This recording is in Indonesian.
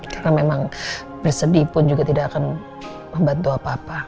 karena memang bersedih pun juga tidak akan membantu apa apa